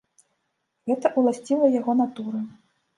Гэта ўласціва яго натуры.